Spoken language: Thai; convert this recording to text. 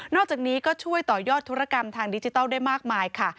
อกจากนี้ก็ช่วยต่อยอดธุรกรรมทางดิจิทัลได้มากมายค่ะ